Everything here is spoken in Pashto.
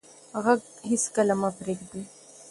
غږ هېڅکله مه پرېږدئ.